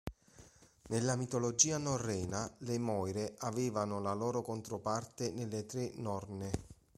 Nella mitologia norrena le Moire avevano la loro controparte nelle tre Norne.